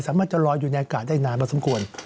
สามารถจะลอยอยู่ในอากาศได้นานประสงควร